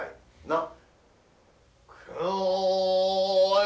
なっ。